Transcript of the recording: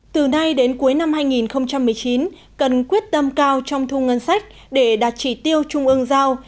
từ nay đến cuối năm hai nghìn một mươi chín cần quyết tâm cao trong thu ngân sách để đạt chỉ tiêu trung ương giao